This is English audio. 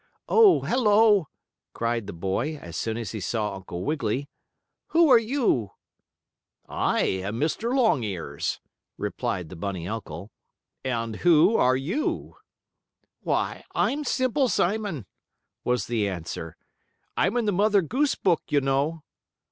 "Oh, hello!" cried the boy, as soon as he saw Uncle Wiggily. "Who are you?" "I am Mr. Longears," replied the bunny uncle. "And who are you?" "Why, I'm Simple Simon," was the answer. "I'm in the Mother Goose book, you know."